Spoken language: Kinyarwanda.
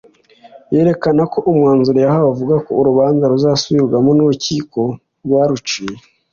yerekana ko umwanzuro yahawe uvuga ko urubanza ruzasubirwamo n’urukiko rwaruciye